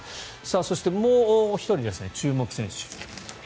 そして、もう１人、注目選手